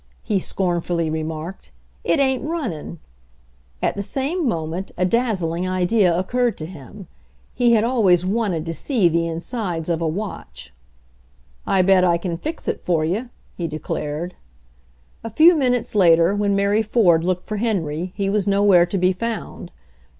he scornfully remarked. "It ain't runnin' !" At the same moment a daz zling idea occurred to him. He had always wanted to see the insides of a watch. "I bet I c'n fix it for you," he declared. A few minutes later, when Mary Ford looked for Henry, he was nowhere to be found.